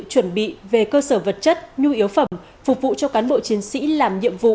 chuẩn bị về cơ sở vật chất nhu yếu phẩm phục vụ cho cán bộ chiến sĩ làm nhiệm vụ